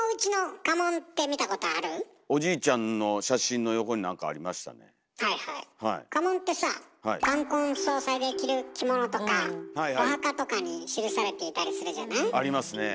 家紋ってさ冠婚葬祭で着る着物とかお墓とかに記されていたりするじゃない？ありますねえ。